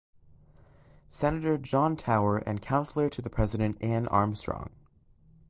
Senator John Tower and Counselor to the President Anne Armstrong.